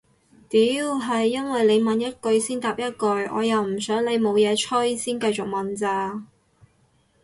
屌係因為你問一句先答一句我又唔想你冇嘢吹先繼續問咋